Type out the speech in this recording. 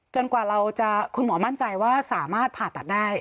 กว่าเราจะคุณหมอมั่นใจว่าสามารถผ่าตัดได้